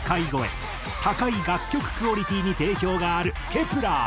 高い楽曲クオリティーに定評があるＫｅｐ１ｅｒ。